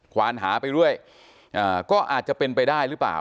วานหาไปเรื่อยก็อาจจะเป็นไปได้หรือเปล่า